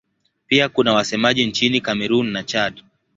Pia kuna wasemaji nchini Kamerun na Chad.